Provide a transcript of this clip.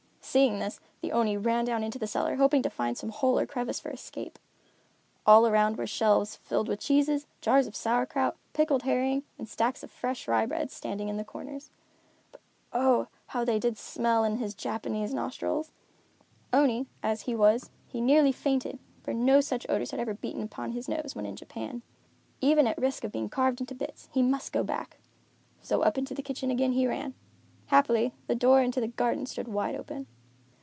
Seeing this, the Oni ran down into the cellar, hoping to find some hole or crevice for escape. All around, were shelves filled with cheeses, jars of sour krout, pickled herring, and stacks of fresh rye bread standing in the corners. But oh! how they did smell in his Japanese nostrils! Oni, as he was, he nearly fainted, for no such odors had ever beaten upon his nose, when in Japan. Even at the risk of being carved into bits, he must go back. So up into the kitchen again he ran. Happily, the door into the garden stood wide open.